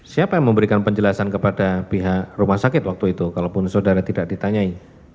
siapa yang memberikan penjelasan kepada pihak rumah sakit waktu itu kalaupun saudara tidak ditanyai